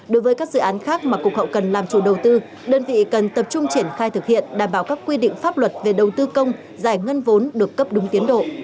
đối với các dự án khác mà cục hậu cần làm chủ đầu tư đơn vị cần tập trung triển khai thực hiện đảm bảo các quy định pháp luật về đầu tư công giải ngân vốn được cấp đúng tiến độ